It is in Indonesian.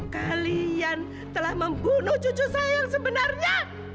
kalian telah membunuh cucu saya yang sebenarnya